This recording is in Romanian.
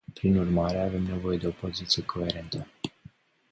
Prin urmare, avem nevoie de o poziție coerentă.